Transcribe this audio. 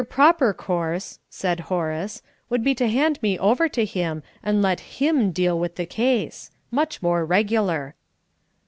"Your proper course," said Horace, "would be to hand me over to him, and let him deal with the case. Much more regular."